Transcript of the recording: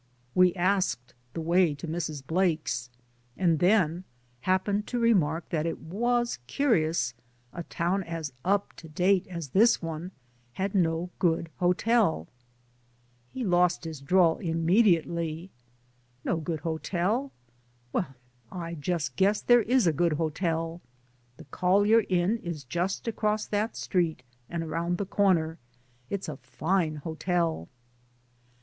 '' We asked the way to Mrs. Blake's and then happened to remark that it was curious a town as up to date as this one had no good hotel. He lost his drawl innnediately: No good hotel! Well, I just guess there is a good hotel I The Collier lim is just across that street and around the comer. It's a fine hotel.